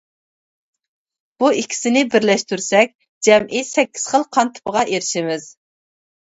بۇ ئىككىسىنى بىرلەشتۈرسەك، جەمئىي سەككىز خىل قان تىپىغا ئېرىشىمىز.